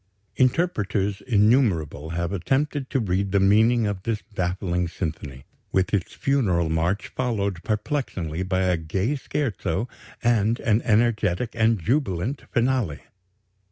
Interpreters innumerable have attempted to read the meaning of this baffling symphony, with its funeral march followed perplexingly by a gay scherzo and an energetic and jubilant finale.